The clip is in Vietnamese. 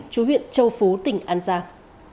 chú huyện châu phú tỉnh an giang